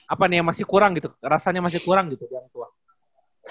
apa nih yang masih kurang gitu rasanya masih kurang gitu di orang tua